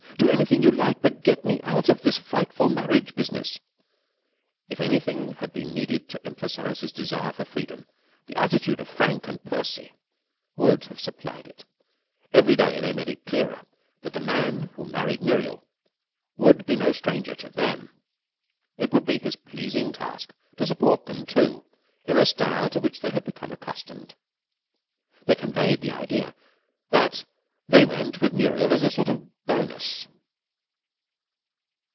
Do anything you like, but get me out of this frightful marriage business." If anything had been needed to emphasize his desire for freedom, the attitude of Frank and Percy would have supplied it. Every day they made it clearer that the man who married Muriel would be no stranger to them. It would be his pleasing task to support them, too, in the style to which they had become accustomed. They conveyed the idea that they went with Muriel as a sort of bonus.